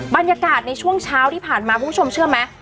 บรรยากาศในช่วงเช้าที่ผ่านมาคุณผู้ชมเชื่อไหม